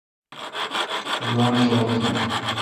تو گاݨڈ شور تھون۔